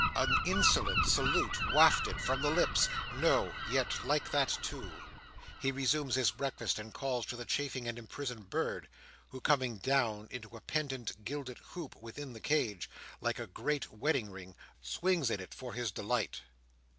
An insolent salute wafted from his lips? No; yet like that too—he resumes his breakfast, and calls to the chafing and imprisoned bird, who coming down into a pendant gilded hoop within the cage, like a great wedding ring, swings in it, for his delight.